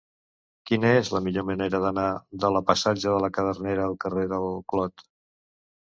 Quina és la millor manera d'anar de la passatge de la Cadernera al carrer del Clot?